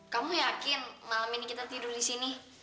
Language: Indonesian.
kamu yakin malam ini kita tidur di sini